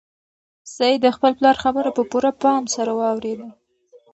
سعید د خپل پلار خبره په پوره پام سره واورېده.